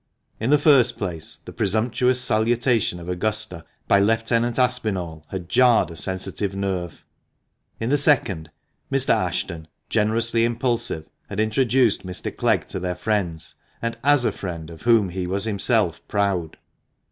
In the first place, the presumptious salutation of Augusta by Lieutenant Aspinall had jarred a sensitive nerve. In the second, Mr. Ashton, generously impulsive, had introduced Mr. Clegg to their friends, and as a friend of whom he was himself proud.